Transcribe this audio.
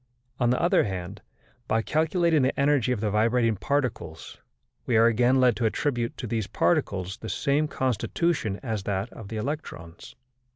On the other hand, by calculating the energy of the vibrating particles we are again led to attribute to these particles the same constitution as that of the electrons.